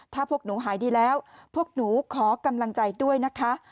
ถ้าพวกหนูหายดีแล้วพวกหนูขอกำลังใจด้วยนะคะ